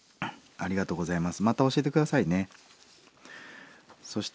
ありがとうございます。